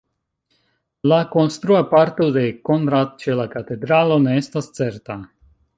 La konstrua parto de Konrad ĉe la katedralo ne estas certa.